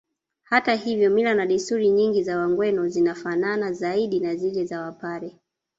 Hata hivyo mila na desturi nyingi za Wagweno zinafanana zaidi na zile za Wapare